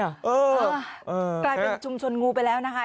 กลายเป็นชุมชนงูไปแล้วนะคะ